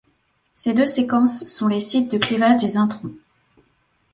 Ces deux séquences sont les sites de clivage des introns.